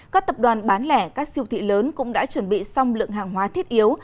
các tập đoàn bán lẻ các siêu thị lớn cũng đã chuẩn bị xong lượng hàng hóa thiết yếu